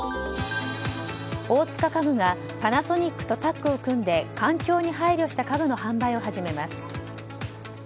大塚家具がパナソニックとタッグを組んで環境に配慮した家具の販売を始めます。